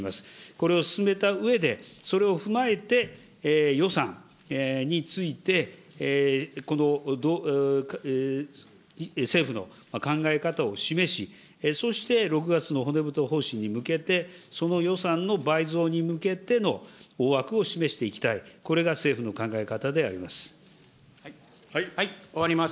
これを進めたうえで、それを踏まえて予算について、政府の考え方を示し、そして６月の骨太方針に向けて、その予算の倍増に向けての大枠を示していきたい、終わります。